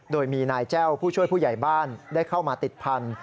โดยมีนายแจ้วผู้ช่วยผู้ใหญ่บ้านได้เข้ามาติดพันธุ